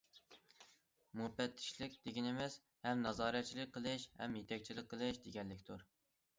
مۇپەتتىشلىك دېگىنىمىز، ھەم نازارەتچىلىك قىلىش ھەم يېتەكچىلىك قىلىش دېگەنلىكتۇر.